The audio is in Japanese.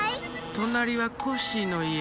となりはコッシーのいえ。